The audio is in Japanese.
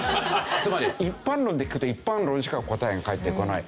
つまり一般論で聞くと一般論しか答えが返ってこない。